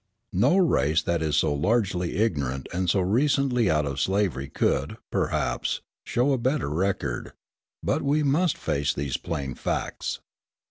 No race that is so largely ignorant and so recently out of slavery could, perhaps, show a better record, but we must face these plain facts.